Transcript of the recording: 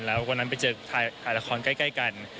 แล้ววันนั้นไปเจอถ่ายละครใกล้กัน